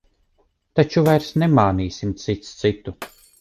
Taču vairs nemānīsim cits citu.